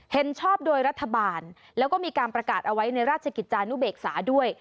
เห็นชอบโดยรัฐบาลแล้วก็มีการประกาศเอาไว้ในราชกิจจานุเบกษาด้วย